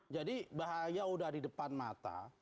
jadi bahaya udah di depan mata